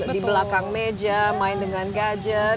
di belakang meja main dengan gadget